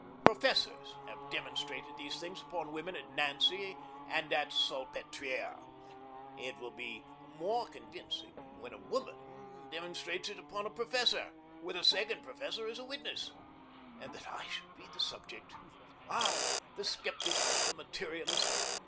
Professors have demonstrated these things upon women at Nancy and at the Salpetriere. It will be more convincing when a woman demonstrates it upon a professor, with a second professor as a witness. And that I should be the subject I, the sceptic, the materialist!